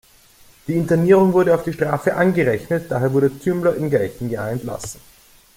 Die Internierung wurde auf die Strafe angerechnet, daher wurde Thümmler im gleichen Jahr entlassen.